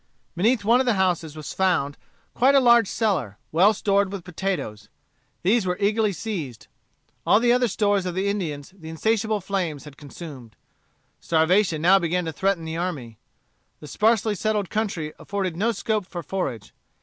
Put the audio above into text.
Beneath one of the houses was found quite a large cellar, well stored with potatoes. These were eagerly seized. All the other stores of the Indians the insatiable flames had consumed. Starvation now began to threaten the army. The sparsely settled country afforded no scope for forage.